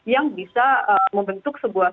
yang bisa membentuk sebuah